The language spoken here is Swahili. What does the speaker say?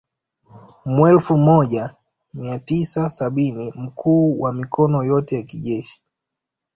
Mwelfu moja mia tisa sabini mkuu wa mikono yote ya kijeshi